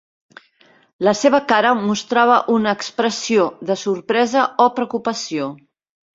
La seva cara mostrava una expressió de sorpresa o preocupació.